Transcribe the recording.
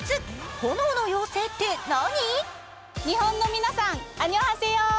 炎の妖精って何？